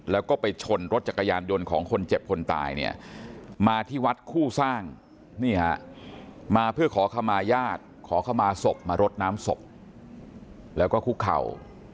แล้วก็ไปชนรถจักรยานยนต์ของคนเจ็บคนตายเนี่ยมาที่วัดคู่สร้างนี่ฮะมาเพื่อขอขมาญาติขอขมาศพมารดน้ำศพแล้วก็คุกเข่า